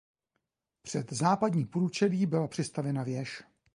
Před západní průčelí byla přistavěna věž.